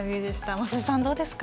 増田さん、どうですか。